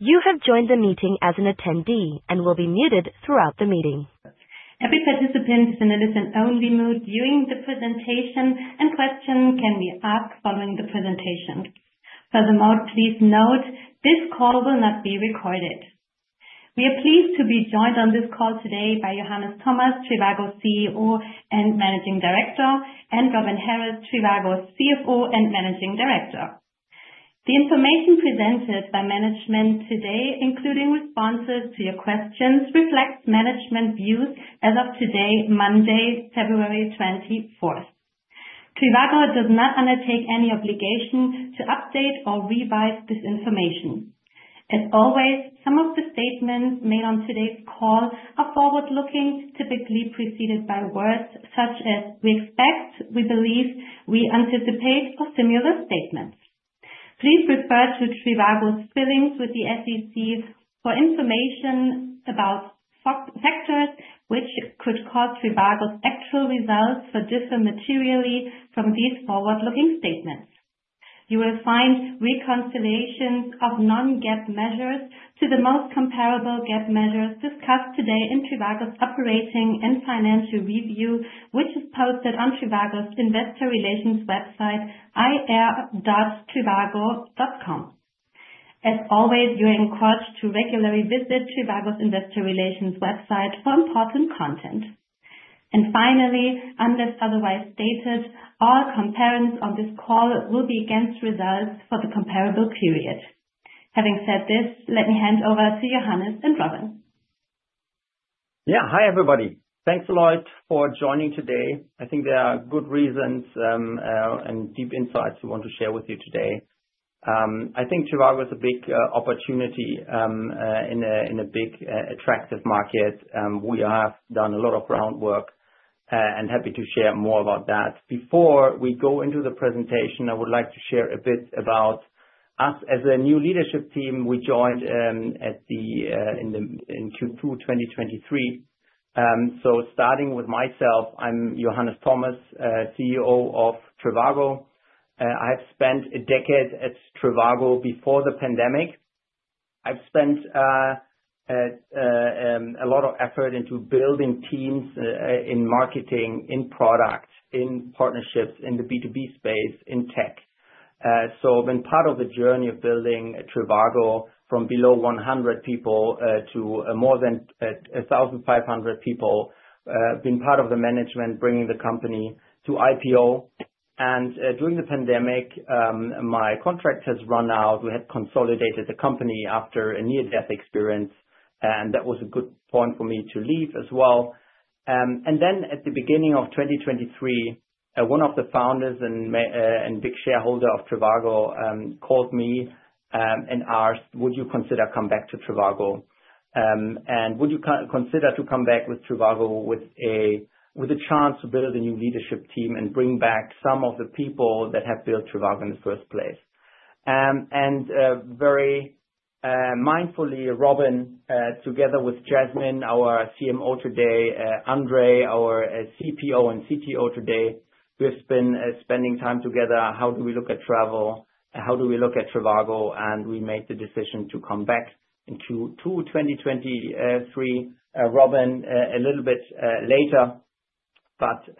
You have joined the meeting as an attendee and will be muted throughout the meeting. Every participant is in a listen-only mode. Viewing the presentation and questions can be asked following the presentation. Furthermore, please note this call will not be recorded. We are pleased to be joined on this call today by Johannes Thomas, Trivago CEO and Managing Director, and Robin Harries, Trivago CFO and Managing Director. The information presented by management today, including responses to your questions, reflects management views as of today, Monday, February 24th. Trivago does not undertake any obligation to update or revise this information. As always, some of the statements made on today's call are forward-looking, typically preceded by words such as, "We expect," "We believe," "We anticipate," or similar statements. Please refer to Trivago's filings with the SEC for information about factors which could cause Trivago's actual results to differ materially from these forward-looking statements. You will find reconciliations of non-GAAP measures to the most comparable GAAP measures discussed today in Trivago's operating and financial review, which is posted on Trivago's investor relations website, ir.trivago.com. As always, you are encouraged to regularly visit Trivago's investor relations website for important content. Finally, unless otherwise stated, all comparisons on this call will be against results for the comparable period. Having said this, let me hand over to Johannes and Robin. Yeah, hi everybody. Thanks a lot for joining today. I think there are good reasons and deep insights we want to share with you today. I think Trivago is a big opportunity in a big attractive market. We have done a lot of groundwork and are happy to share more about that. Before we go into the presentation, I would like to share a bit about us as a new leadership team. We joined in Q2 2023. Starting with myself, I'm Johannes Thomas, CEO of Trivago. I have spent a decade at Trivago before the pandemic. I've spent a lot of effort into building teams in marketing, in product, in partnerships, in the B2B space, in tech. I've been part of the journey of building Trivago from below 100 people to more than 1,500 people. I've been part of the management, bringing the company to IPO. During the pandemic, my contract has run out. We had consolidated the company after a near-death experience, and that was a good point for me to leave as well. At the beginning of 2023, one of the founders and big shareholders of Trivago called me and asked, "Would you consider coming back to Trivago? Would you consider coming back with Trivago with a chance to build a new leadership team and bring back some of the people that have built Trivago in the first place?" Very mindfully, Robin, together with Jasmine, our CMO today, Andrej, our CPO and CTO today, we've been spending time together. How do we look at travel? How do we look at Trivago? We made the decision to come back in Q2 2023, Robin, a little bit later.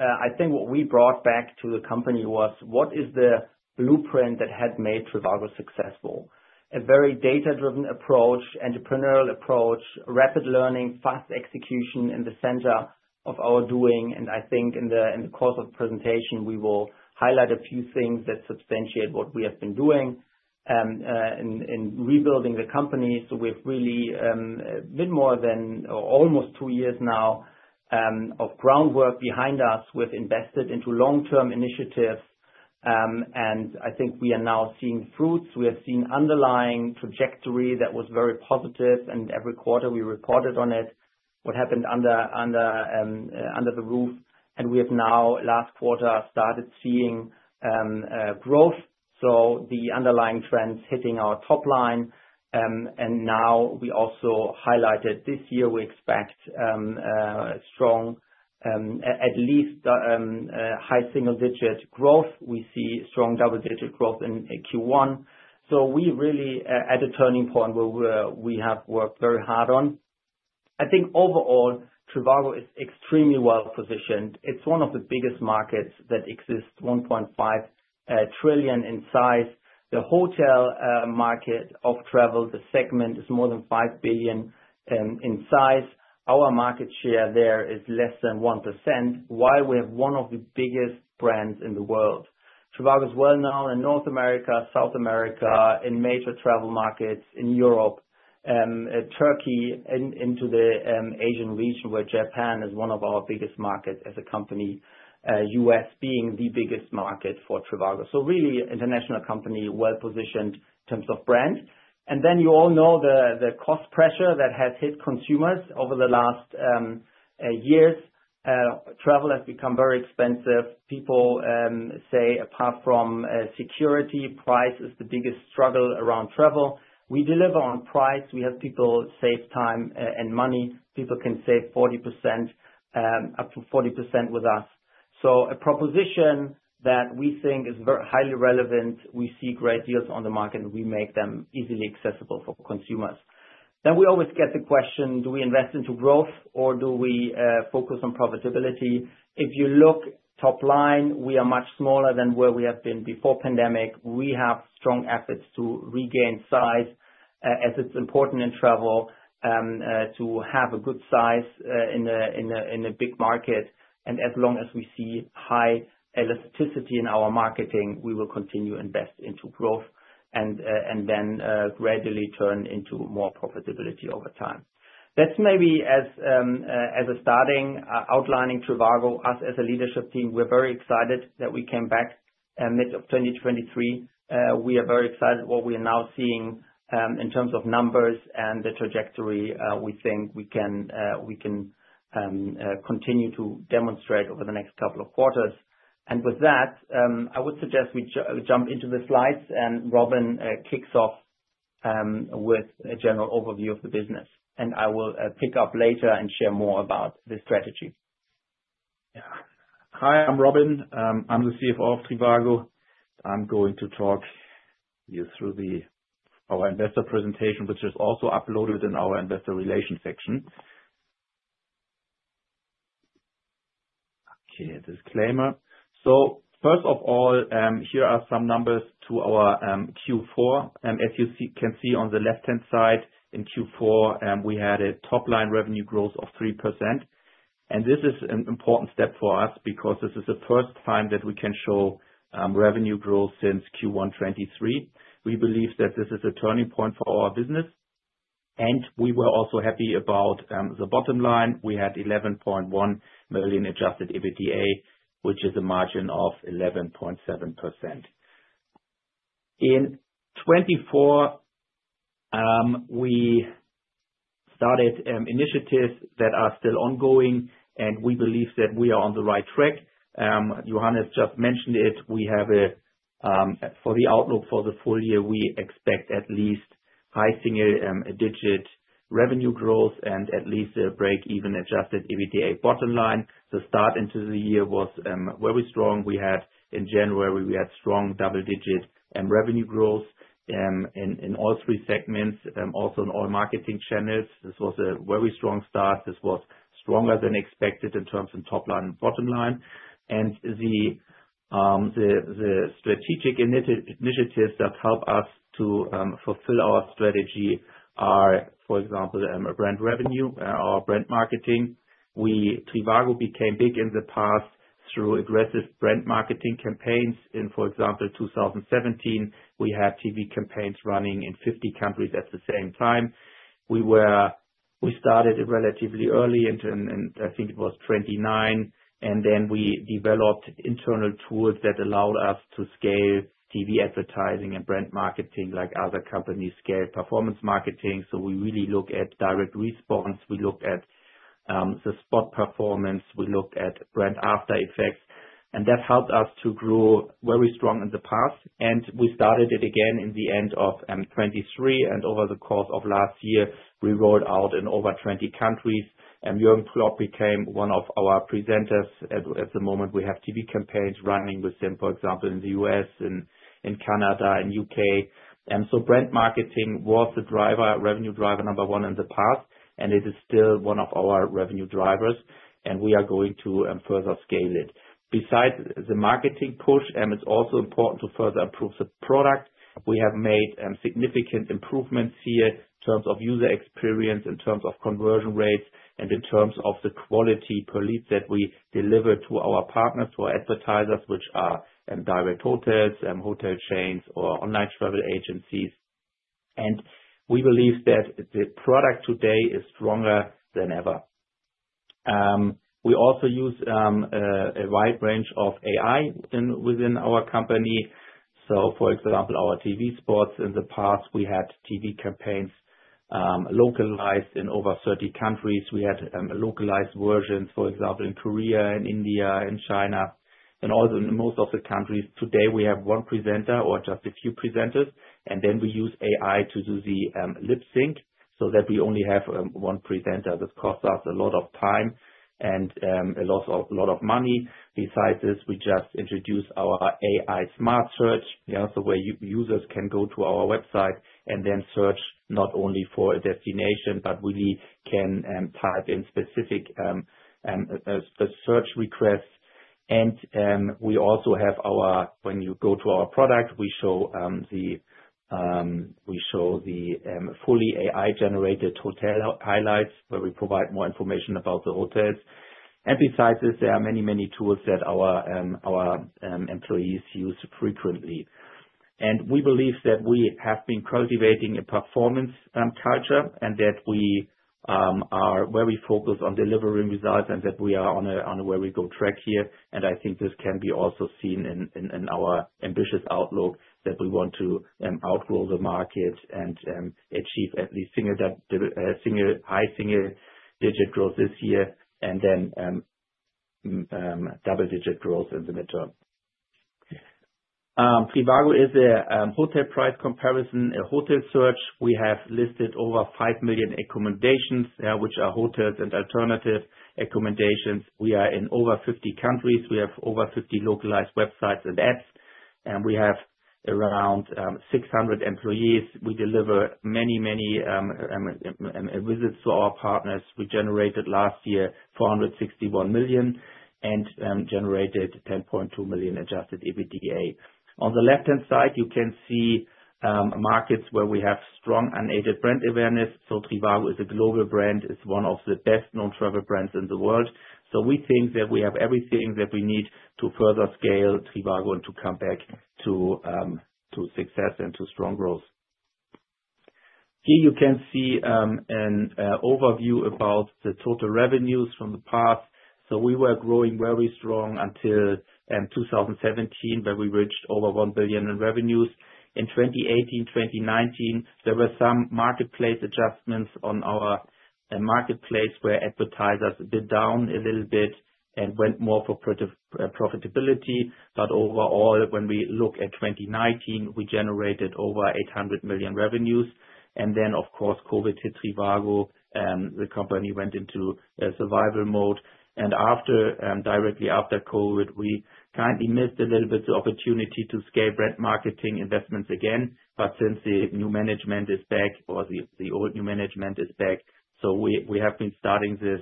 I think what we brought back to the company was, what is the blueprint that had made Trivago successful? A very data-driven approach, entrepreneurial approach, rapid learning, fast execution in the center of our doing. I think in the course of the presentation, we will highlight a few things that substantiate what we have been doing in rebuilding the company. We have really made more than almost two years now of groundwork behind us. We have invested into long-term initiatives. I think we are now seeing fruits. We have seen underlying trajectory that was very positive. Every quarter, we reported on it, what happened under the roof. We have now, last quarter, started seeing growth. The underlying trends are hitting our top line. We also highlighted this year, we expect strong, at least high single-digit growth. We see strong double-digit growth in Q1. We really are at a turning point where we have worked very hard on. I think overall, Trivago is extremely well positioned. It's one of the biggest markets that exists, 1.5 trillion in size. The hotel market of travel, the segment, is more than 5 billion in size. Our market share there is less than 1%, while we have one of the biggest brands in the world. Trivago is well known in North America, South America, in major travel markets in Europe, Turkey, into the Asian region, where Japan is one of our biggest markets as a company, U.S. being the biggest market for Trivago. Really, an international company well positioned in terms of brand. You all know the cost pressure that has hit consumers over the last years. Travel has become very expensive. People say apart from security, price is the biggest struggle around travel. We deliver on price. We help people save time and money. People can save up to 40% with us. A proposition that we think is highly relevant. We see great deals on the market, and we make them easily accessible for consumers. We always get the question, do we invest into growth, or do we focus on profitability? If you look top line, we are much smaller than where we have been before the pandemic. We have strong efforts to regain size, as it is important in travel to have a good size in a big market. As long as we see high elasticity in our marketing, we will continue to invest into growth and then gradually turn into more profitability over time. That is maybe as a starting outlining Trivago. Us as a leadership team, we are very excited that we came back mid-2023. We are very excited about what we are now seeing in terms of numbers and the trajectory. We think we can continue to demonstrate over the next couple of quarters. With that, I would suggest we jump into the slides, and Robin kicks off with a general overview of the business. I will pick up later and share more about the strategy. Hi, I'm Robin. I'm the CFO of Trivago. I'm going to talk you through our investor presentation, which is also uploaded in our investor relations section. Okay, disclaimer. First of all, here are some numbers to our Q4. As you can see on the left-hand side in Q4, we had a top-line revenue growth of 3%. This is an important step for us because this is the first time that we can show revenue growth since Q1 2023. We believe that this is a turning point for our business. We were also happy about the bottom line. We had 11.1 million adjusted EBITDA, which is a margin of 11.7%. In 2024, we started initiatives that are still ongoing, and we believe that we are on the right track. Johannes just mentioned it. For the outlook for the full year, we expect at least high single-digit revenue growth and at least a break-even adjusted EBITDA bottom line. The start into the year was very strong. In January, we had strong double-digit revenue growth in all three segments, also in all marketing channels. This was a very strong start. This was stronger than expected in terms of top line and bottom line. The strategic initiatives that help us to fulfill our strategy are, for example, brand revenue, our brand marketing. Trivago became big in the past through aggressive brand marketing campaigns. In, for example, 2017, we had TV campaigns running in 50 countries at the same time. We started relatively early, and I think it was 2019. We developed internal tools that allowed us to scale TV advertising and brand marketing like other companies scale performance marketing. We really look at direct response. We look at the spot performance. We look at brand after-effects. That helped us to grow very strong in the past. We started it again in the end of 2023. Over the course of last year, we rolled out in over 20 countries. Jürgen Klopp became one of our presenters. At the moment, we have TV campaigns running with him, for example, in the U.S., in Canada, in the U.K. Brand marketing was the revenue driver number one in the past, and it is still one of our revenue drivers. We are going to further scale it. Besides the marketing push, it is also important to further improve the product. We have made significant improvements here in terms of user experience, in terms of conversion rates, and in terms of the quality per lead that we deliver to our partners, to our advertisers, which are direct hotels, hotel chains, or online travel agencies. We believe that the product today is stronger than ever. We also use a wide range of AI within our company. For example, our TV spots in the past, we had TV campaigns localized in over 30 countries. We had localized versions, for example, in Korea, in India, in China, and also in most of the countries. Today, we have one presenter or just a few presenters. We use AI to do the lip sync so that we only have one presenter. This costs us a lot of time and a lot of money. Besides this, we just introduced our AI Smart Search, where users can go to our website and then search not only for a destination, but really can type in specific search requests. We also have our, when you go to our product, we show the fully AI-Generated Hotel Highlights, where we provide more information about the hotels. Besides this, there are many, many tools that our employees use frequently. We believe that we have been cultivating a performance culture and that we are very focused on delivering results and that we are on a very good track here. I think this can be also seen in our ambitious outlook that we want to outgrow the market and achieve at least high single-digit growth this year and then double-digit growth in the midterm. Trivago is a hotel price comparison, a hotel search. We have listed over 5 million accommodations, which are hotels and alternative accommodations. We are in over 50 countries. We have over 50 localized websites and apps. We have around 600 employees. We deliver many, many visits to our partners. We generated last year 461 million and generated 10.2 million adjusted EBITDA. On the left-hand side, you can see markets where we have strong unaided brand awareness. Trivago is a global brand. It is one of the best-known travel brands in the world. We think that we have everything that we need to further scale Trivago and to come back to success and to strong growth. Here you can see an overview about the total revenues from the past. We were growing very strong until 2017, where we reached over 1 billion in revenues. In 2018, 2019, there were some marketplace adjustments on our marketplace where advertisers did down a little bit and went more for profitability. Overall, when we look at 2019, we generated over 800 million revenues. Of course, COVID hit Trivago. The company went into survival mode. Directly after COVID, we kindly missed a little bit the opportunity to scale brand marketing investments again. Since the new management is back or the old new management is back, we have been starting this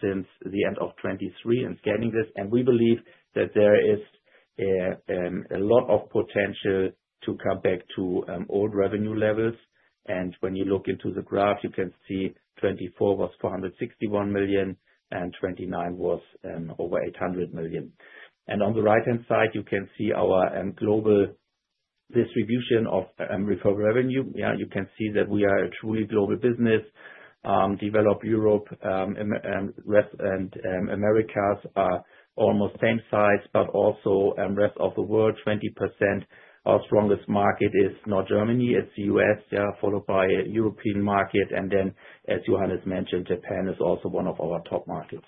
since the end of 2023 and scaling this. We believe that there is a lot of potential to come back to old revenue levels. When you look into the graph, you can see 2024 was 461 million and 2019 was over 800 million. On the right-hand side, you can see our global distribution of referred revenue. Yeah, you can see that we are a truly global business. Developed Europe and Americas are almost same size, but also the rest of the world, 20%. Our strongest market is not Germany. It's the U.S., followed by the European market. As Johannes mentioned, Japan is also one of our top markets.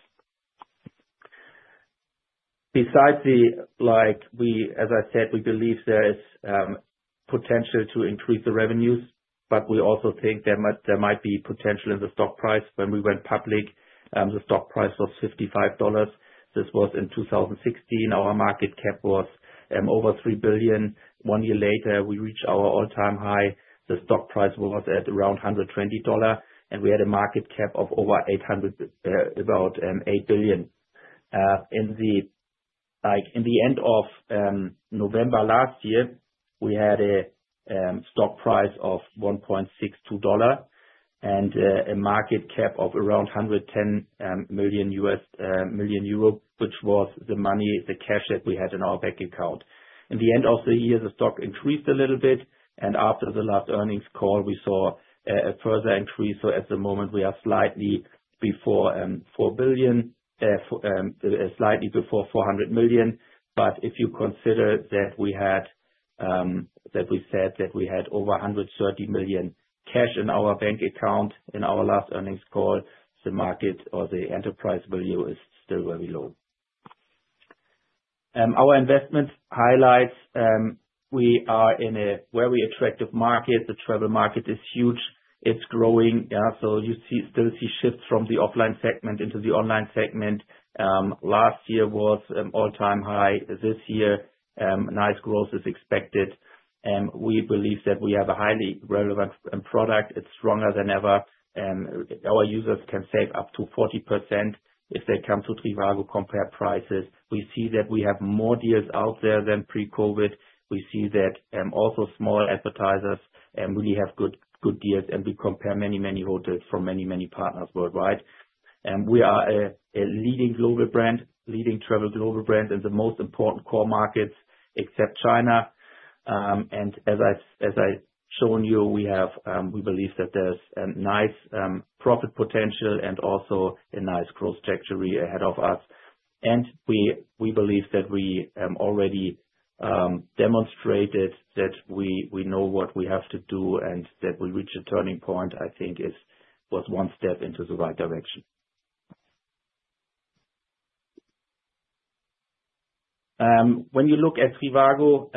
As I said, we believe there is potential to increase the revenues, but we also think there might be potential in the stock price. When we went public, the stock price was $55. This was in 2016. Our market cap was over $3 billion. One year later, we reached our all-time high. The stock price was at around $120, and we had a market cap of over $8 billion. In the end of November last year, we had a stock price of $1.62 and a market cap of around 110 million euro, which was the cash that we had in our bank account. In the end of the year, the stock increased a little bit. After the last earnings call, we saw a further increase. At the moment, we are slightly before 400 million. If you consider that we said that we had over 130 million cash in our bank account in our last earnings call, the market or the enterprise value is still very low. Our investment highlights we are in a very attractive market. The travel market is huge. It's growing. You still see shifts from the offline segment into the online segment. Last year was an all-time high. This year, nice growth is expected. We believe that we have a highly relevant product. It's stronger than ever. Our users can save up to 40% if they come to Trivago, compare prices. We see that we have more deals out there than pre-COVID. We see that also small advertisers really have good deals, and we compare many, many hotels from many, many partners worldwide. We are a leading global brand, leading travel global brand in the most important core markets except China. As I've shown you, we believe that there's nice profit potential and also a nice growth trajectory ahead of us. We believe that we already demonstrated that we know what we have to do and that we reach a turning point, I think, was one step into the right direction. When you look at Trivago,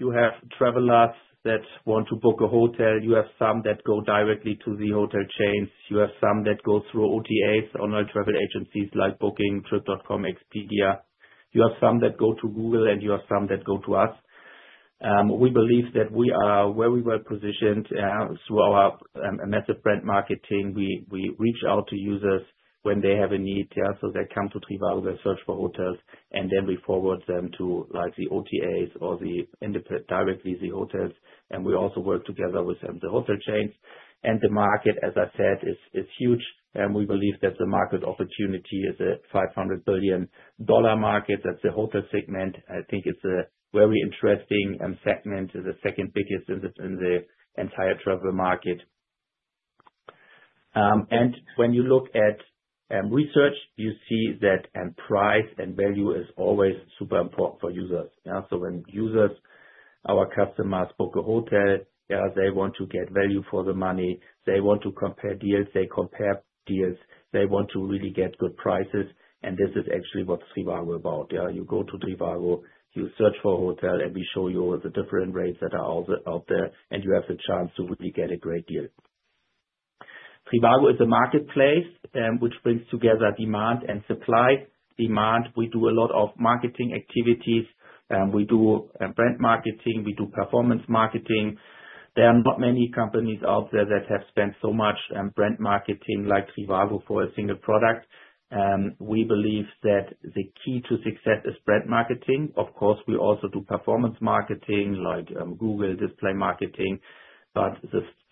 you have travelers that want to book a hotel. You have some that go directly to the hotel chains. You have some that go through OTAs, online travel agencies like Booking.com, Trip.com, Expedia. You have some that go to Google, and you have some that go to us. We believe that we are very well positioned through our massive brand marketing. We reach out to users when they have a need. They come to Trivago, they search for hotels, and then we forward them to the OTAs or directly the hotels. We also work together with the hotel chains. The market, as I said, is huge. We believe that the market opportunity is a $500 billion market. That is the hotel segment. I think it is a very interesting segment, the second biggest in the entire travel market. When you look at research, you see that price and value is always super important for users. When users, our customers, book a hotel, they want to get value for the money. They want to compare deals. They compare deals. They want to really get good prices. This is actually what Trivago is about. You go to Trivago, you search for a hotel, and we show you the different rates that are out there, and you have the chance to really get a great deal. Trivago is a marketplace which brings together demand and supply. Demand, we do a lot of marketing activities. We do brand marketing. We do performance marketing. There are not many companies out there that have spent so much brand marketing like Trivago for a single product. We believe that the key to success is brand marketing. Of course, we also do performance marketing like Google display marketing.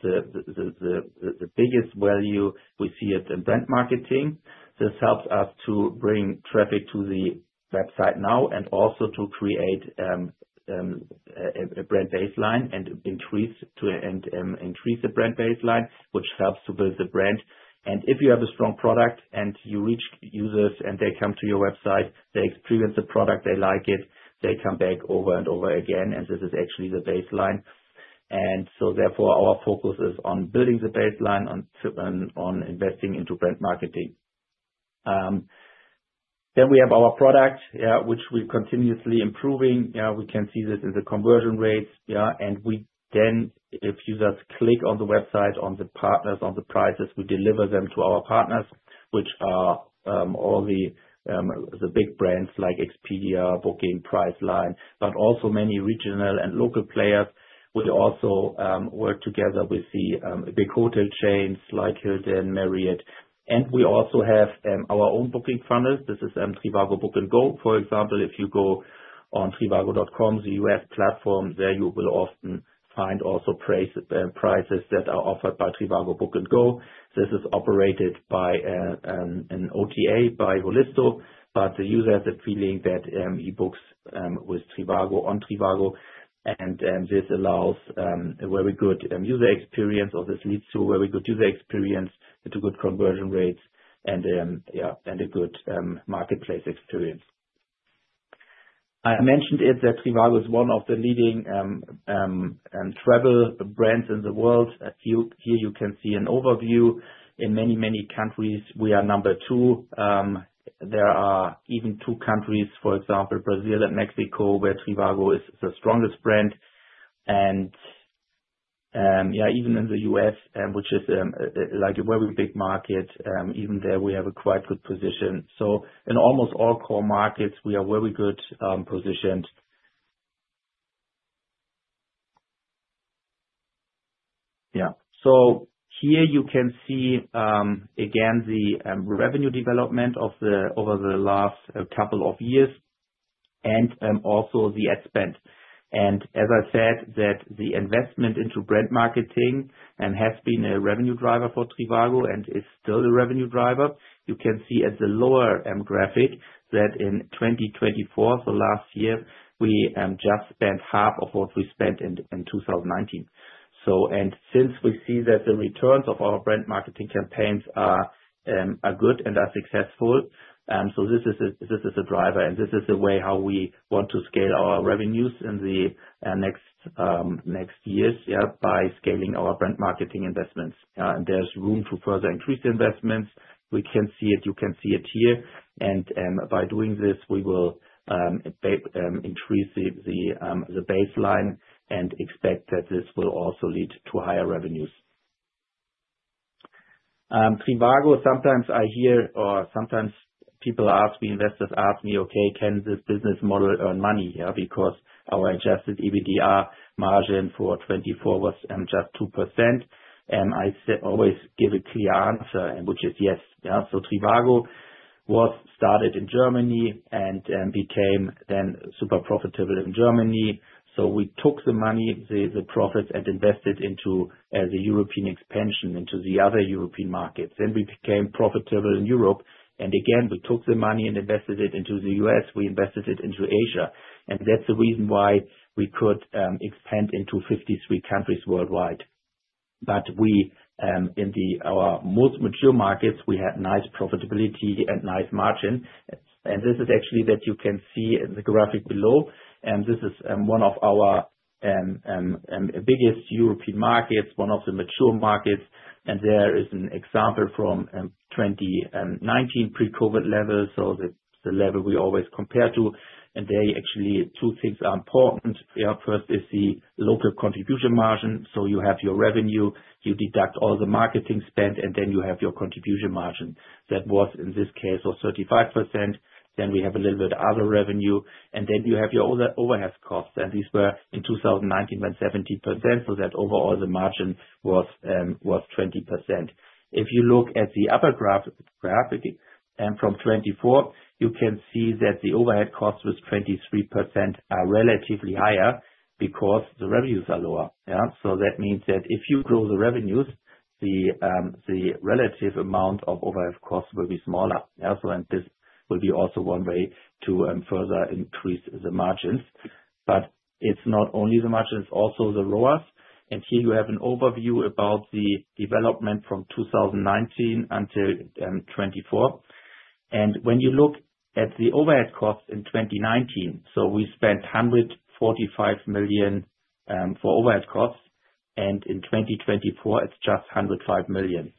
The biggest value we see is in brand marketing. This helps us to bring traffic to the website now and also to create a brand baseline and increase the brand baseline, which helps to build the brand. If you have a strong product and you reach users and they come to your website, they experience the product, they like it, they come back over and over again, and this is actually the baseline. Therefore, our focus is on building the baseline, on investing into brand marketing. We have our product, which we're continuously improving. We can see this in the conversion rates. If users click on the website, on the partners, on the prices, we deliver them to our partners, which are all the big brands like Expedia, Booking.com, Priceline.com, but also many regional and local players. We also work together with the big hotel chains like Hilton, Marriott. We also have our own booking funnels. This is Trivago Book and Go. For example, if you go on Trivago.com, the U.S. platform, there you will often find also prices that are offered by Trivago Book and Go. This is operated by an OTA by Holisto, but the user has a feeling that he books on Trivago. This allows a very good user experience, or this leads to a very good user experience, to good conversion rates, and a good marketplace experience. I mentioned that Trivago is one of the leading travel brands in the world. Here you can see an overview. In many, many countries, we are number two. There are even two countries, for example, Brazil and Mexico, where Trivago is the strongest brand. Even in the U.S., which is a very big market, even there we have a quite good position. In almost all core markets, we are very good positioned. Yeah. Here you can see, again, the revenue development over the last couple of years and also the ad spend. As I said, the investment into brand marketing has been a revenue driver for Trivago and is still a revenue driver. You can see at the lower graphic that in 2024, the last year, we just spent half of what we spent in 2019. Since we see that the returns of our brand marketing campaigns are good and are successful, this is a driver. This is the way how we want to scale our revenues in the next years by scaling our brand marketing investments. There is room to further increase investments. We can see it. You can see it here. By doing this, we will increase the baseline and expect that this will also lead to higher revenues. Trivago, sometimes I hear or sometimes people ask me, investors ask me, "Okay, can this business model earn money?" Because our adjusted EBITDA margin for 2024 was just 2%. I always give a clear answer, which is yes. Trivago was started in Germany and became then super profitable in Germany. We took the money, the profits, and invested into the European expansion into the other European markets. We became profitable in Europe. Again, we took the money and invested it into the U.S. We invested it into Asia. That is the reason why we could expand into 53 countries worldwide. In our most mature markets, we had nice profitability and nice margin. This is actually that you can see in the graphic below. This is one of our biggest European markets, one of the mature markets. There is an example from 2019 pre-COVID levels, so the level we always compare to. Actually, two things are important. First is the local contribution margin. You have your revenue, you deduct all the marketing spend, and then you have your contribution margin. That was, in this case, 35%. We have a little bit of other revenue. Then you have your overhead costs. These were in 2019, went 17%. Overall, the margin was 20%. If you look at the upper graphic from 2024, you can see that the overhead costs with 23% are relatively higher because the revenues are lower. That means that if you grow the revenues, the relative amount of overhead costs will be smaller. This will be also one way to further increase the margins. It is not only the margins, it is also the ROAS. Here you have an overview about the development from 2019 until 2024. When you look at the overhead costs in 2019, we spent 145 million for overhead costs. In 2024, it is just 105 million.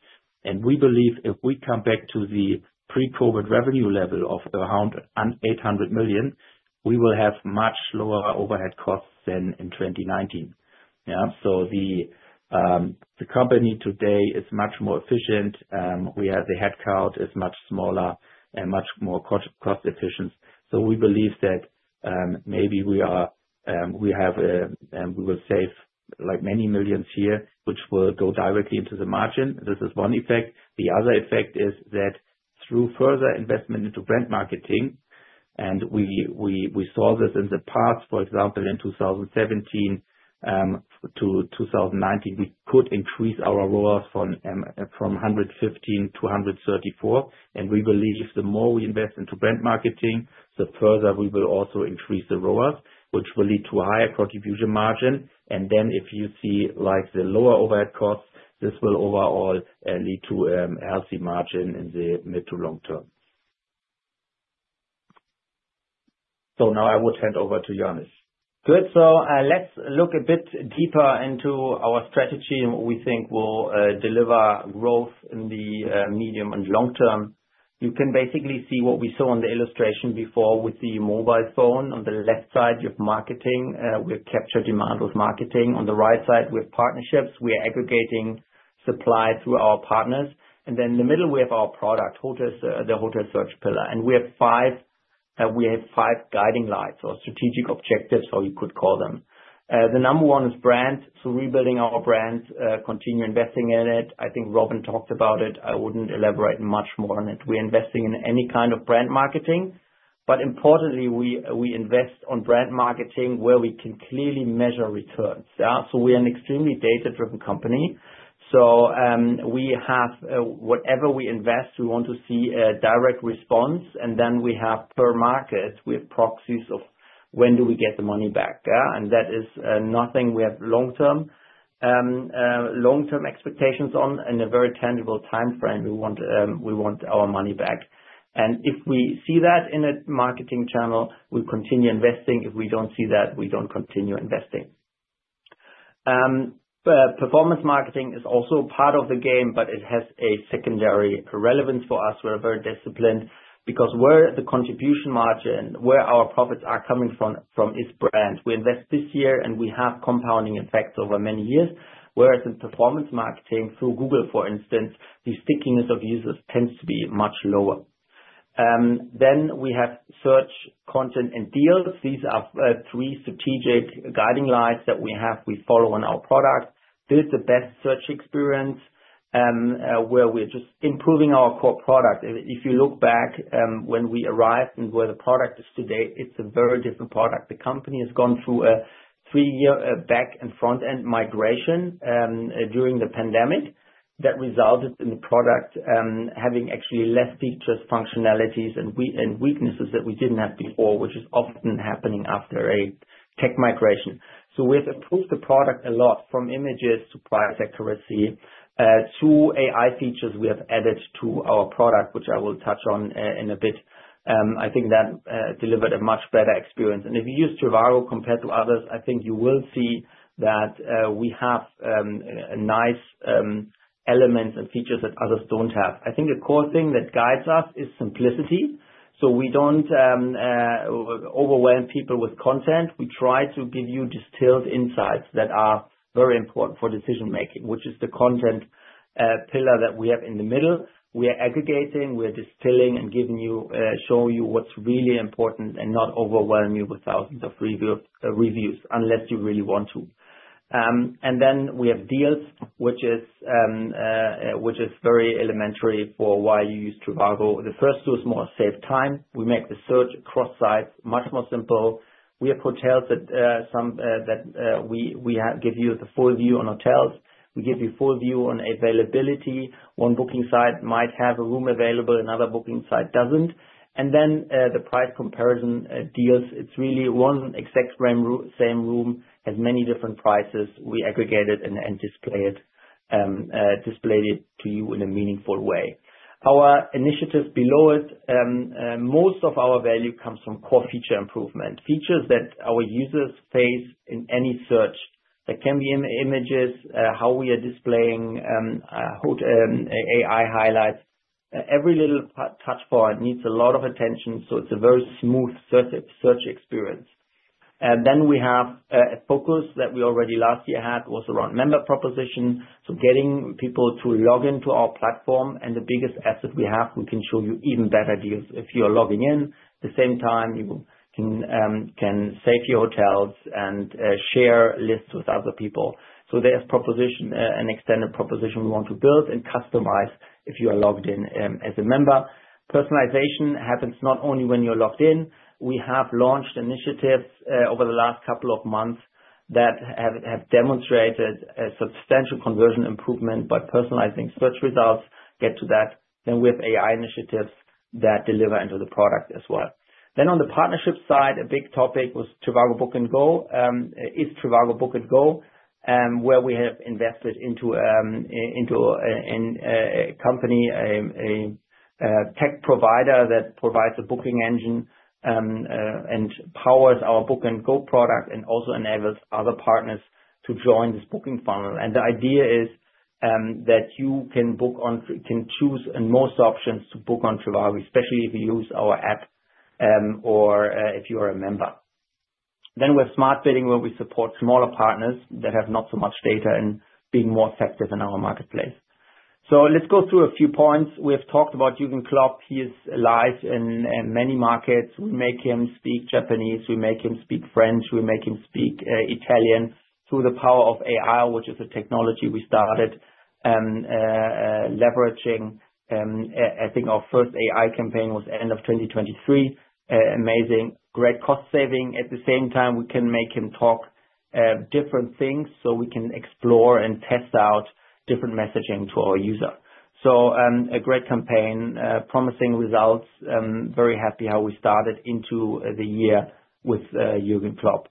We believe if we come back to the pre-COVID revenue level of around 800 million, we will have much lower overhead costs than in 2019. The company today is much more efficient. The headcount is much smaller and much more cost-efficient. We believe that maybe we will save many millions here, which will go directly into the margin. This is one effect. The other effect is that through further investment into brand marketing, and we saw this in the past, for example, in 2017 to 2019, we could increase our ROAS from 115 to 134. We believe the more we invest into brand marketing, the further we will also increase the ROAS, which will lead to a higher contribution margin. If you see the lower overhead costs, this will overall lead to a healthy margin in the mid to long term. Now I would hand over to Johannes. Good. Let's look a bit deeper into our strategy and what we think will deliver growth in the medium and long term. You can basically see what we saw on the illustration before with the mobile phone. On the left side, you have marketing. We capture demand with marketing. On the right side, we have partnerships. We are aggregating supply through our partners. In the middle, we have our product, the hotel search pillar. We have five guiding lights or strategic objectives, or you could call them. The number one is brand. Rebuilding our brand, continue investing in it. I think Robin talked about it. I would not elaborate much more on it. We are investing in any kind of brand marketing. Importantly, we invest on brand marketing where we can clearly measure returns. We are an extremely data-driven company. Whatever we invest, we want to see a direct response. We have per market, we have proxies of when do we get the money back. That is nothing we have long-term expectations on in a very tangible timeframe. We want our money back. If we see that in a marketing channel, we continue investing. If we do not see that, we do not continue investing. Performance marketing is also part of the game, but it has a secondary relevance for us. We are very disciplined because where the contribution margin, where our profits are coming from, is brand. We invest this year, and we have compounding effects over many years. Whereas in performance marketing, through Google, for instance, the stickiness of users tends to be much lower. We have search, content, and deals. These are three strategic guiding lines that we follow on our product. Build the best search experience where we are just improving our core product. If you look back when we arrived and where the product is today, it is a very different product. The company has gone through a three-year back and front-end migration during the pandemic that resulted in the product having actually less features, functionalities, and weaknesses that we did not have before, which is often happening after a tech migration. We have improved the product a lot from images to price accuracy to AI features we have added to our product, which I will touch on in a bit. I think that delivered a much better experience. If you use Trivago compared to others, I think you will see that we have nice elements and features that others do not have. I think a core thing that guides us is simplicity. We do not overwhelm people with content. We try to give you distilled insights that are very important for decision-making, which is the content pillar that we have in the middle. We are aggregating. We are distilling and showing you what's really important and not overwhelm you with thousands of reviews unless you really want to. We have deals, which is very elementary for why you use Trivago. The first two is more save time. We make the search across sites much more simple. We have hotels that we give you the full view on hotels. We give you full view on availability. One booking site might have a room available. Another booking site doesn't. The price comparison deals, it's really one exact same room has many different prices. We aggregate it and display it to you in a meaningful way. Our initiative below it, most of our value comes from core feature improvement. Features that our users face in any search that can be images, how we are displaying AI highlights. Every little touchpoint needs a lot of attention. It is a very smooth search experience. We have a focus that we already last year had, which was around member proposition. Getting people to log into our platform, the biggest asset we have, we can show you even better deals if you are logging in. At the same time, you can save your hotels and share lists with other people. There is an extended proposition we want to build and customize if you are logged in as a member. Personalization happens not only when you are logged in. We have launched initiatives over the last couple of months that have demonstrated a substantial conversion improvement by personalizing search results. Get to that. We have AI initiatives that deliver into the product as well. On the partnership side, a big topic was Trivago Book and Go. Is Trivago Book and Go where we have invested into a company, a tech provider that provides a booking engine and powers our Book and Go product and also enables other partners to join this booking funnel. The idea is that you can choose most options to book on Trivago, especially if you use our app or if you are a member. We have smart bidding where we support smaller partners that have not so much data and being more effective in our marketplace. Let's go through a few points. We have talked about Jürgen Klopp. He is live in many markets. We make him speak Japanese. We make him speak French. We make him speak Italian through the power of AI, which is a technology we started leveraging. I think our first AI campaign was end of 2023. Amazing. Great cost saving. At the same time, we can make him talk different things so we can explore and test out different messaging to our user. A great campaign, promising results. Very happy how we started into the year with Jürgen Klopp.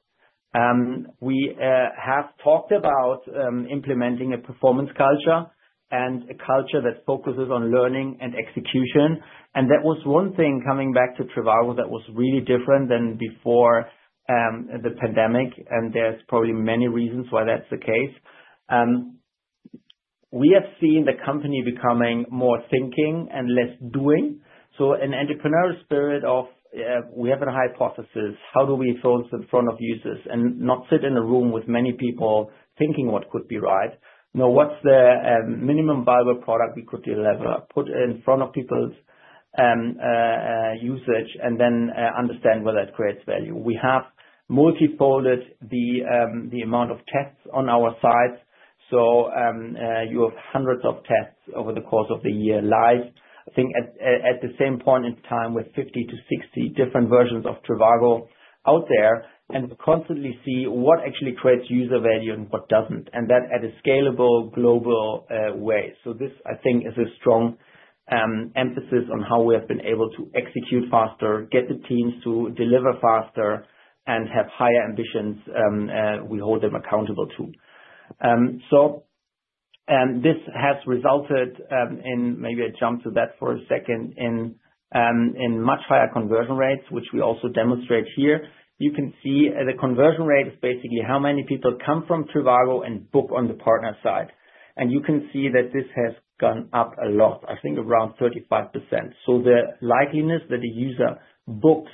We have talked about implementing a performance culture and a culture that focuses on learning and execution. That was one thing coming back to Trivago that was really different than before the pandemic. There are probably many reasons why that's the case. We have seen the company becoming more thinking and less doing. An entrepreneurial spirit of we have a hypothesis. How do we throw this in front of users and not sit in a room with many people thinking what could be right? What's the minimum viable product we could deliver? Put it in front of people's usage and then understand whether it creates value. We have multifolded the amount of tests on our sites. You have hundreds of tests over the course of the year live. I think at the same point in time, we have 50-60 different versions of Trivago out there. We constantly see what actually creates user value and what does not. That is at a scalable global way. This, I think, is a strong emphasis on how we have been able to execute faster, get the teams to deliver faster, and have higher ambitions we hold them accountable to. This has resulted in, maybe I jump to that for a second, in much higher conversion rates, which we also demonstrate here. You can see the conversion rate is basically how many people come from Trivago and book on the partner side. You can see that this has gone up a lot, I think around 35%. The likeliness that a user books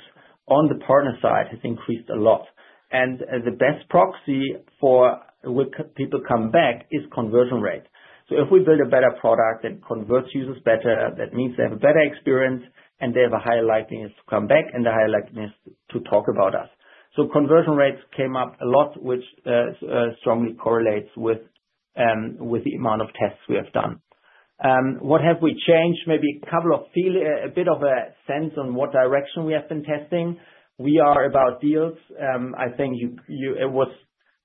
on the partner site has increased a lot. The best proxy for when people come back is conversion rate. If we build a better product that converts users better, that means they have a better experience and they have a higher likeliness to come back and a higher likeliness to talk about us. Conversion rates came up a lot, which strongly correlates with the amount of tests we have done. What have we changed? Maybe a bit of a sense on what direction we have been testing. We are about deals. I think it was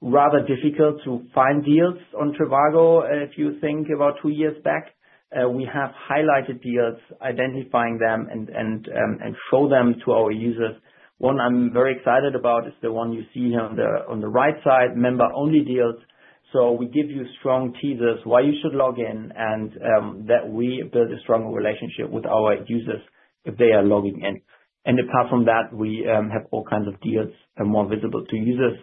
rather difficult to find deals on Trivago a few things about two years back. We have highlighted deals, identifying them and show them to our users. One I'm very excited about is the one you see here on the right side, member-only deals. We give you strong teasers why you should log in and that we build a strong relationship with our users if they are logging in. Apart from that, we have all kinds of deals more visible to users.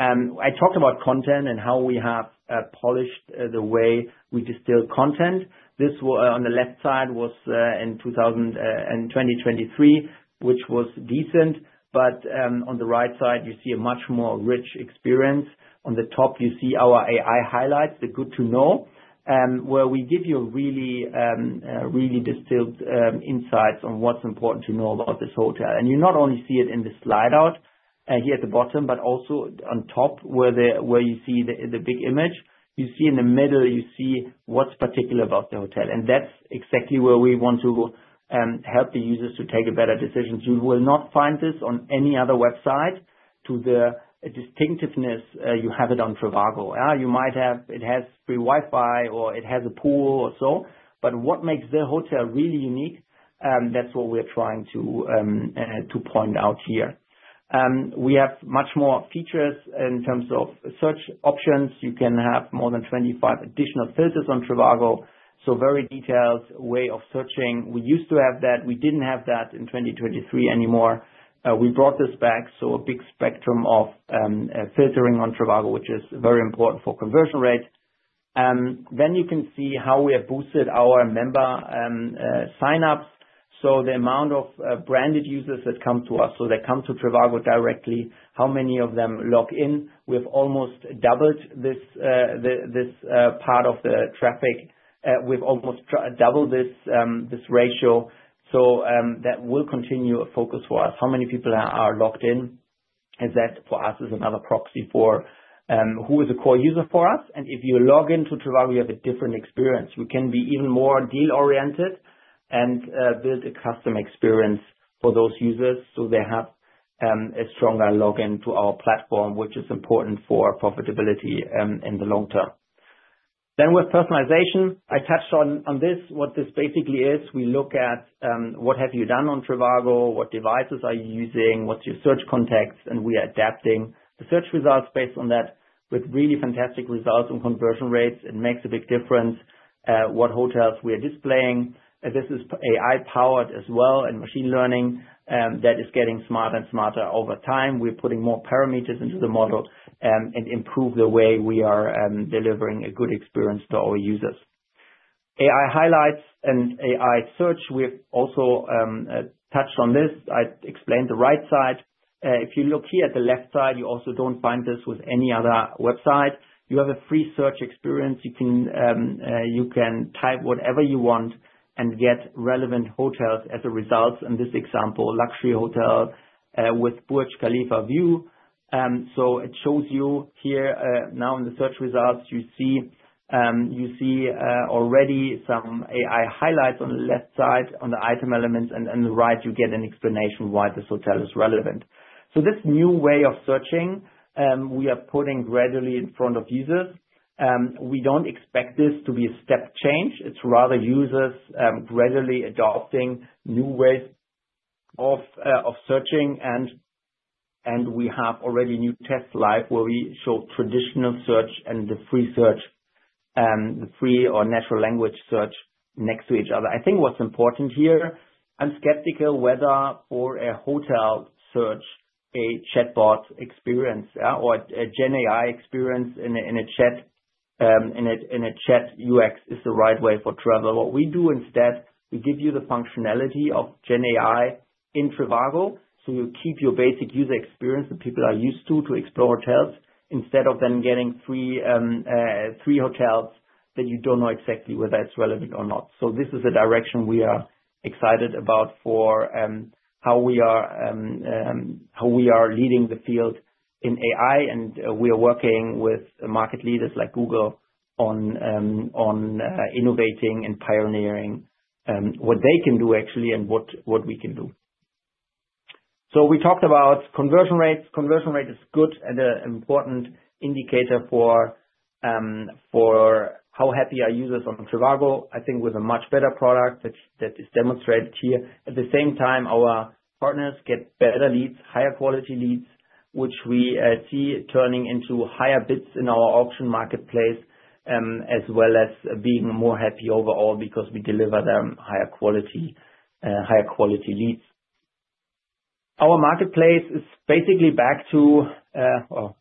I talked about content and how we have polished the way we distill content. This on the left side was in 2023, which was decent. On the right side, you see a much more rich experience. On the top, you see our AI highlights, the good to know, where we give you really distilled insights on what's important to know about this hotel. You not only see it in the slide out here at the bottom, but also on top where you see the big image. You see in the middle, you see what's particular about the hotel. That's exactly where we want to help the users to take a better decision. You will not find this on any other website to the distinctiveness you have it on Trivago. You might have it has free Wi-Fi or it has a pool or so. What makes the hotel really unique, that's what we're trying to point out here. We have much more features in terms of search options. You can have more than 25 additional filters on Trivago. Very detailed way of searching. We used to have that. We didn't have that in 2023 anymore. We brought this back. A big spectrum of filtering on Trivago, which is very important for conversion rate. You can see how we have boosted our member sign-ups. The amount of branded users that come to us, they come to Trivago directly, how many of them log in. We have almost doubled this part of the traffic. We've almost doubled this ratio. That will continue a focus for us. How many people are logged in? For us, it's another proxy for who is a core user for us. If you log into Trivago, you have a different experience. We can be even more deal-oriented and build a custom experience for those users so they have a stronger login to our platform, which is important for profitability in the long term. With personalization, I touched on this, what this basically is. We look at what have you done on Trivago, what devices are you using, what's your search context, and we are adapting the search results based on that with really fantastic results and conversion rates. It makes a big difference what hotels we are displaying. This is AI-powered as well and machine learning that is getting smarter and smarter over time. We're putting more parameters into the model and improve the way we are delivering a good experience to our users. AI highlights and AI search. We've also touched on this. I explained the right side. If you look here at the left side, you also don't find this with any other website. You have a free search experience. You can type whatever you want and get relevant hotels as a result. In this example, luxury hotel with Burj Khalifa view. It shows you here now in the search results, you see already some AI highlights on the left side on the item elements. On the right, you get an explanation why this hotel is relevant. This new way of searching, we are putting gradually in front of users. We do not expect this to be a step change. It is rather users gradually adopting new ways of searching. We have already new tests live where we show traditional search and the free search, the free or natural language search next to each other. I think what is important here, I am skeptical whether for a hotel search, a chatbot experience or a GenAI experience in a chat UX is the right way for Trivago. What we do instead, we give you the functionality of GenAI in Trivago so you keep your basic user experience that people are used to to explore hotels instead of then getting three hotels that you do not know exactly whether it is relevant or not. This is a direction we are excited about for how we are leading the field in AI. We are working with market leaders like Google on innovating and pioneering what they can do actually and what we can do. We talked about conversion rates. Conversion rate is good and an important indicator for how happy are users on Trivago. I think with a much better product that is demonstrated here. At the same time, our partners get better leads, higher quality leads, which we see turning into higher bids in our auction marketplace as well as being more happy overall because we deliver them higher quality leads. Our marketplace is basically back to or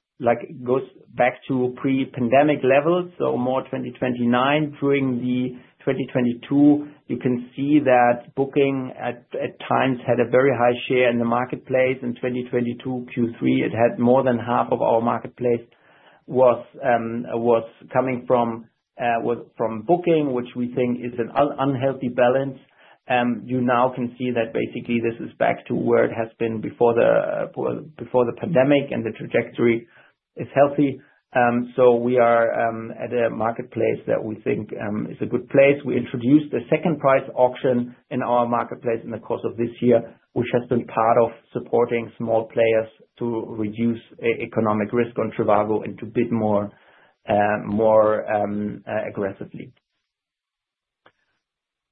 goes back to pre-pandemic levels. More 2019, during 2022, you can see that Booking.com at times had a very high share in the marketplace. In 2022 Q3, it had more than half of our marketplace was coming from Booking.com, which we think is an unhealthy balance. You now can see that basically this is back to where it has been before the pandemic and the trajectory is healthy. We are at a marketplace that we think is a good place. We introduced the second price auction in our marketplace in the course of this year, which has been part of supporting small players to reduce economic risk on Trivago and to bid more aggressively.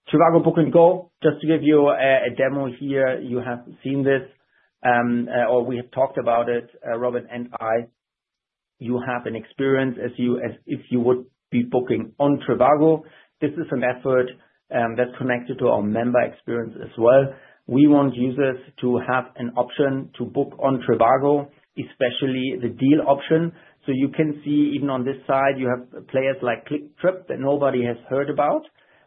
Trivago Book and Go, just to give you a demo here, you have seen this or we have talked about it, Robin and I. You have an experience as if you would be booking on Trivago. This is an effort that's connected to our member experience as well. We want users to have an option to book on Trivago, especially the deal option. You can see even on this side, you have players like Clicktrip that nobody has heard about.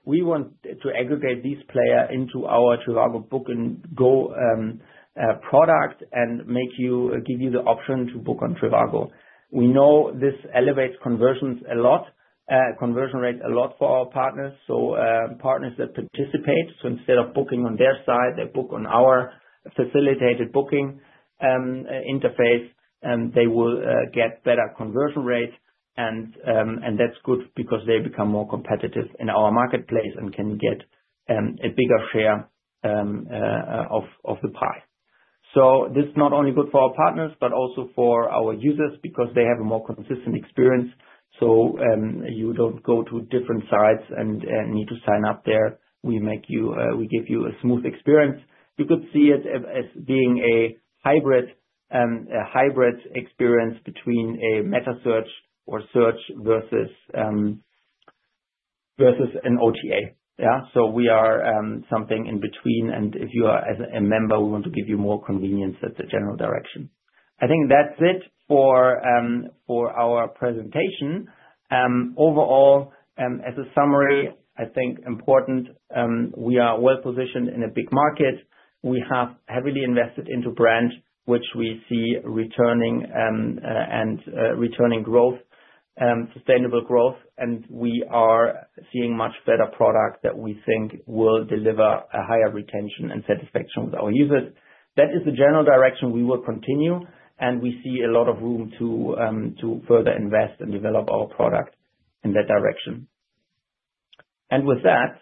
We want to aggregate these players into our Trivago Book and Go product and give you the option to book on Trivago. We know this elevates conversion rates a lot for our partners. Partners that participate, instead of booking on their site, book on our facilitated booking interface, they will get better conversion rates. That is good because they become more competitive in our marketplace and can get a bigger share of the pie. This is not only good for our partners, but also for our users because they have a more consistent experience. You do not go to different sites and need to sign up there. We give you a smooth experience. You could see it as being a hybrid experience between a meta search or search versus an OTA. We are something in between. If you are a member, we want to give you more convenience at the general direction. I think that is it for our presentation. Overall, as a summary, I think important, we are well positioned in a big market. We have heavily invested into brand, which we see returning and returning growth, sustainable growth. We are seeing much better product that we think will deliver a higher retention and satisfaction with our users. That is the general direction we will continue. We see a lot of room to further invest and develop our product in that direction. With that,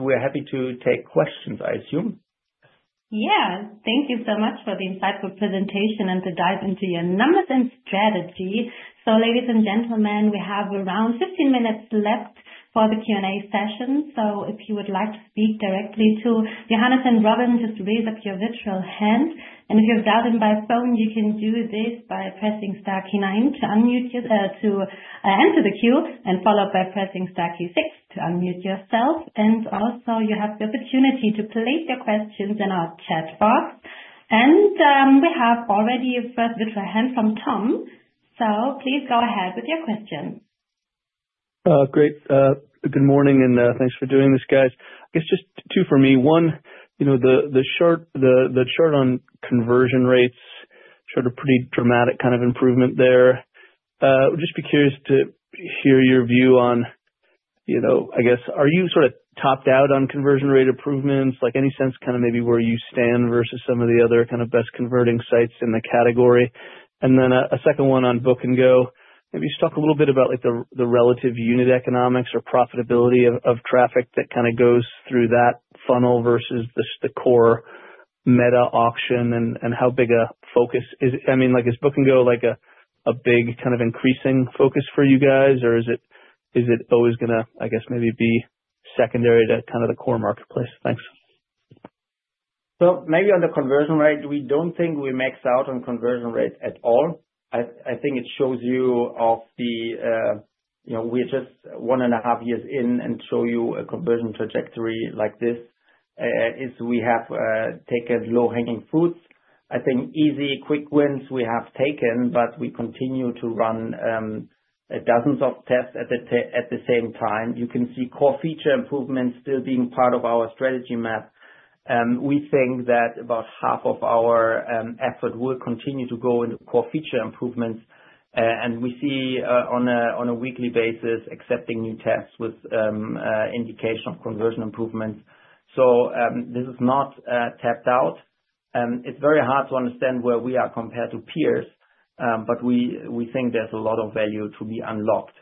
we're happy to take questions, I assume. Yeah. Thank you so much for the insightful presentation and to dive into your numbers and strategy. Ladies and gentlemen, we have around 15 minutes left for the Q&A session. If you would like to speak directly to Johannes and Robin, just raise up your virtual hand. If you're dialed in by phone, you can do this by pressing star nine to answer the queue and followed by pressing star six to unmute yourself. You also have the opportunity to place your questions in our chat box. We have already a first virtual hand from Tom. Please go ahead with your question. Great. Good morning and thanks for doing this, guys. I guess just two for me. One, the chart on conversion rates showed a pretty dramatic kind of improvement there. I would just be curious to hear your view on, I guess, are you sort of topped out on conversion rate improvements? Any sense kind of maybe where you stand versus some of the other kind of best converting sites in the category? A second one on Book and Go, maybe just talk a little bit about the relative unit economics or profitability of traffic that kind of goes through that funnel versus the core meta auction and how big a focus it is. I mean, is Book and Go a big kind of increasing focus for you guys, or is it always going to, I guess, maybe be secondary to kind of the core marketplace? Thanks. Maybe on the conversion rate, we do not think we max out on conversion rate at all. I think it shows you, we are just one and a half years in, and to show you a conversion trajectory like this is, we have taken low-hanging fruits. I think easy, quick wins we have taken, but we continue to run dozens of tests at the same time. You can see core feature improvements still being part of our strategy map. We think that about half of our effort will continue to go into core feature improvements. We see on a weekly basis accepting new tests with indication of conversion improvements. This is not tapped out. It's very hard to understand where we are compared to peers, but we think there's a lot of value to be unlocked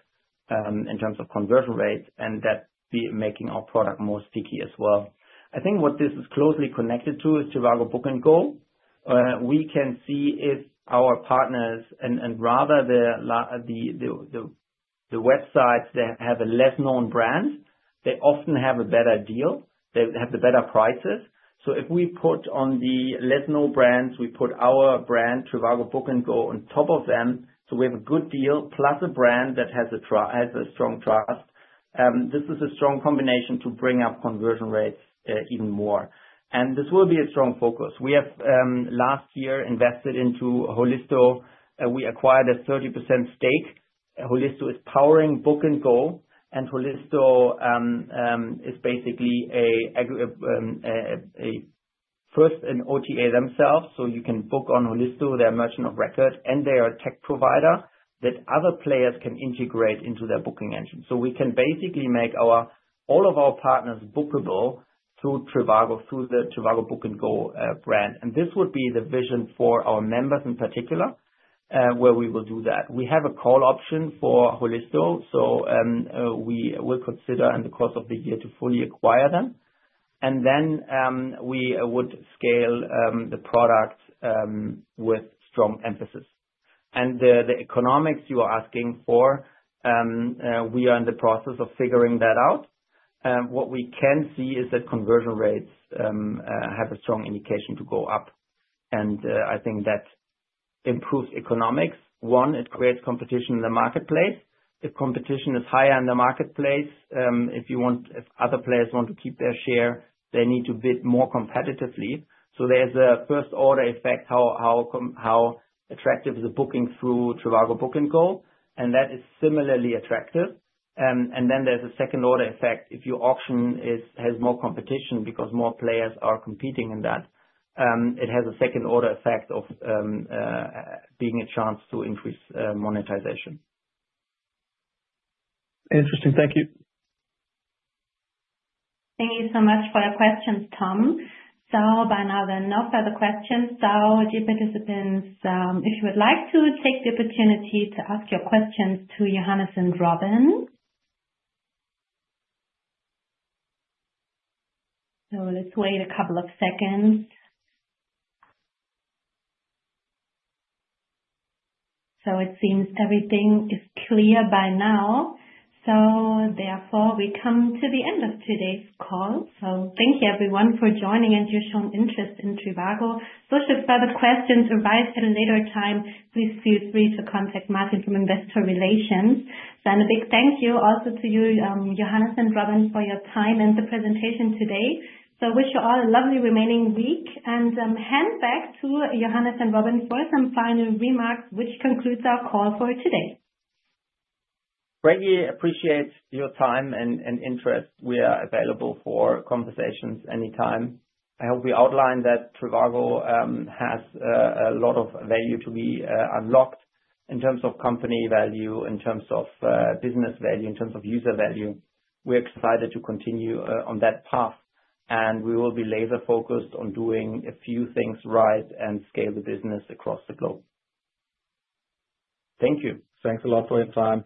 in terms of conversion rate and that making our product more sticky as well. I think what this is closely connected to is Trivago Book and Go. We can see if our partners and rather the websites that have a less known brand, they often have a better deal. They have the better prices. If we put on the less known brands, we put our brand, Trivago Book and Go, on top of them. We have a good deal plus a brand that has a strong trust. This is a strong combination to bring up conversion rates even more. This will be a strong focus. We have last year invested into Holisto. We acquired a 30% stake. Holisto is powering Book and Go, and Holisto is basically first an OTA themselves. You can book on Holisto, they are merchant of record, and they are a tech provider that other players can integrate into their booking engine. We can basically make all of our partners bookable through the Trivago Book and Go brand. This would be the vision for our members in particular where we will do that. We have a call option for Holisto, so we will consider in the course of the year to fully acquire them. Then we would scale the product with strong emphasis. The economics you are asking for, we are in the process of figuring that out. What we can see is that conversion rates have a strong indication to go up. I think that improves economics. One, it creates competition in the marketplace. If competition is higher in the marketplace, if other players want to keep their share, they need to bid more competitively. There is a first-order effect, how attractive is a booking through Trivago Book and Go. That is similarly attractive. There is a second-order effect. If your auction has more competition because more players are competing in that, it has a second-order effect of being a chance to increase monetization. Interesting. Thank you. Thank you so much for your questions, Tom. By now, there are no further questions. Dear participants, if you would like to take the opportunity to ask your questions to Johannes and Robin. Let's wait a couple of seconds. It seems everything is clear by now. Therefore, we come to the end of today's call. Thank you, everyone, for joining and your shown interest in Trivago. Should further questions arise at a later time, please feel free to contact Martin from Investor Relations. A big thank you also to you, Johannes and Robin, for your time and the presentation today. I wish you all a lovely remaining week. I hand back to Johannes and Robin for some final remarks, which concludes our call for today. Greatly appreciate your time and interest. We are available for conversations anytime. I hope we outlined that Trivago has a lot of value to be unlocked in terms of company value, in terms of business value, in terms of user value. We are excited to continue on that path. We will be laser-focused on doing a few things right and scale the business across the globe. Thank you. Thanks a lot for your time.